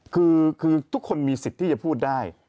คือทุกคนมีสิทธิ์ที่จะพูดได้